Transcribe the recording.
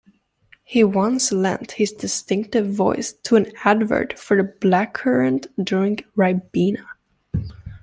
He once lent his distinctive voice to an advert for the blackcurrant drink Ribena.